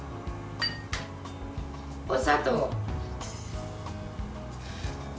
お砂糖。